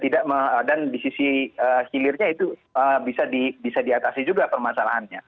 dan di sisi hilirnya itu bisa diatasi juga permasalahannya